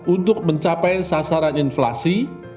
untuk mencapai sasaran inflasi